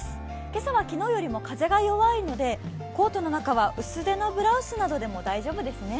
今朝は昨日よりも風が弱いのでコートの中は薄手のブラウスでも大丈夫ですね。